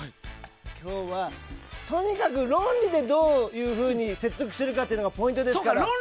今日はとにかく論理でどういうふうに説得するかというのがポイントでしたから。